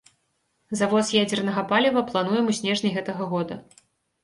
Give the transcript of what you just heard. Завоз ядзернага паліва плануем ў снежні гэтага года.